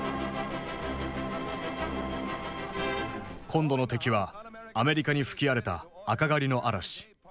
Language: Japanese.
今度の敵はアメリカに吹き荒れた「赤狩り」の嵐。